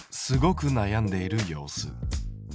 すごく悩んでいる様子。